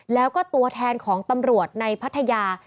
แล้วก็ตัวแทนของตำรวจในพัทยา